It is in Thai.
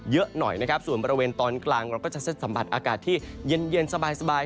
เยอะหน่อยนะครับส่วนบริเวณตอนกลางเราก็จะเซ็ตสัมผัสอากาศที่เย็นสบาย